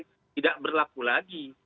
jadi ini tidak berlaku lagi